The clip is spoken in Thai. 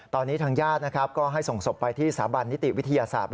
ตอนนี้ทางญาติก็ให้ส่งศพไปที่สถาบันนิติวิทยาศาสตร์